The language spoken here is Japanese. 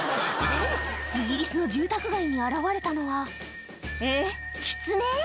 イギリスの住宅街に現れたのはえっキツネ？